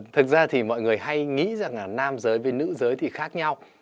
thực ra thì mọi người hay nghĩ rằng là nam giới với nữ giới thì khác nhau